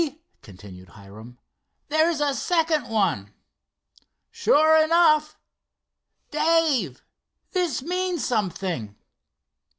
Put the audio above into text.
continued Hiram "there's it second one!" "Sure enough." "Dave, this means something."